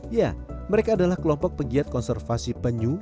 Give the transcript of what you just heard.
ya mereka adalah kelompok pegiat konservasi penyu